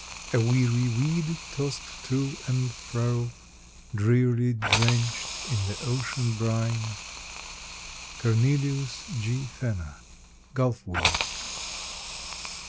A weary weed toss'd to and fro, Drearily drench't in the ocean brine. —Cornelius G. Fenner, "Gulf Weed."